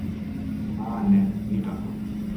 А не, никако.